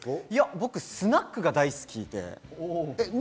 僕はスナックが大好きで。